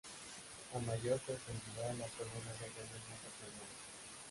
A mayor profundidad las colonias se vuelven más aplanadas.